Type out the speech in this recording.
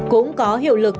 cũng có hiệu lực